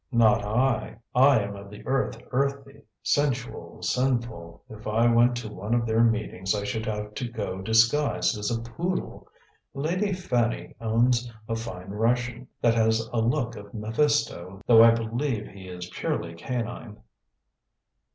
"Not I! I am of the earth earthy, sensual, sinful. If I went to one of their meetings I should have to go disguised as a poodle. Lady Fanny owns a fine Russian, that has a look of Mephisto, though I believe he is purely canine."